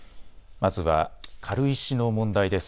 まずは軽石の問題です。